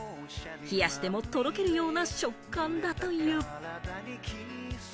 冷やしても、とろけるような食感だという。